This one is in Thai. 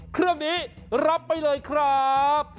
เครื่องนี้รับไปเลยครับ